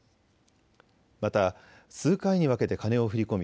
また数回に分けて金を振り込み